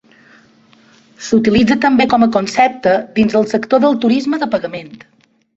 S'utilitza també com a concepte dins del sector del turisme de pagament.